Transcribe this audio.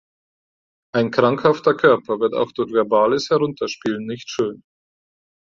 Ein krankhafter Körper wird auch durch verbales Herunterspielen nicht schön.